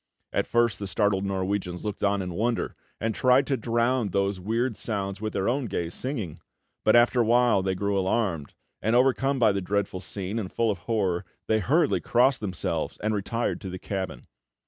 At first the startled Norwegians looked on in wonder, and tried to drown these weird sounds with their own gay singing; but after a while they grew alarmed, and, overcome by the dreadful scene, and full of horror, they hurriedly crossed themselves and retired to the cabin.